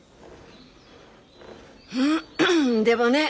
んでもねえ